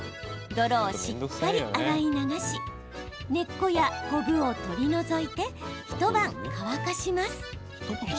泥をしっかり洗い流し根っこや、こぶを取り除いて一晩、乾かします。